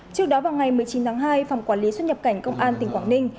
trước đó vào ngày một mươi chín tháng hai phòng quản lý xuất nhập cảnh công an tỉnh quảng ninh